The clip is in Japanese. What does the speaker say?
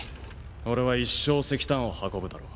俺は一生石炭を運ぶだろう。